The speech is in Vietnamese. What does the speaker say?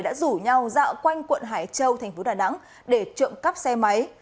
đã rủ nhau dạo quanh quận hải châu thành phố đà nẵng để trộm cắp xe máy